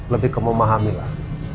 lebih ke memahamilah